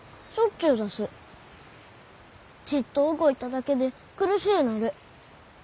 ちいっと動いただけで苦しゅうなる。